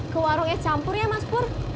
ke warungnya campur ya mas pur